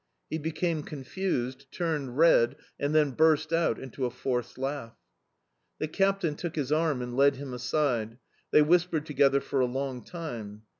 He became confused, turned red, and then burst out into a forced laugh. The captain took his arm and led him aside; they whispered together for a long time.